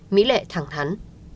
mỹ lệ thẳng thắn